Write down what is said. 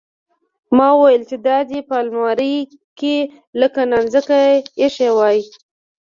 ما ويل چې دا دې په المارۍ کښې لکه نانځکه ايښې واى.